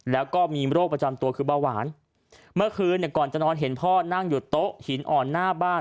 แล้วก็มีโรคประจำตัวคือเบาหวานเมื่อคืนเนี่ยก่อนจะนอนเห็นพ่อนั่งอยู่โต๊ะหินอ่อนหน้าบ้าน